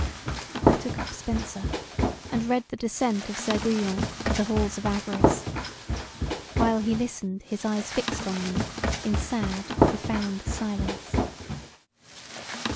I took up Spencer and read the descent of Sir Guyon to the halls of Avarice; while he listened his eyes fixed on me in sad profound silence.